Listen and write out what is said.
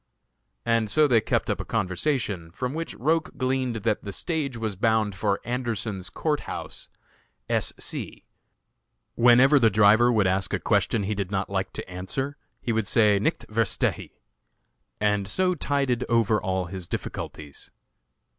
And so they kept up a conversation, from which Roch gleaned that the stage was bound for Anderson's Court House, S. C. Whenever the driver would ask a question he did not like to answer, he would say, "nichts verstehe," and so tided over all his difficulties.